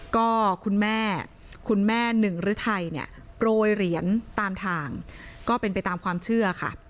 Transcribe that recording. ก็คุณแม่คุณแม่หนึ่งฤทัยเนี่ยโปรยเหรียญตามทางก็เป็นไปตามความเชื่อค่ะ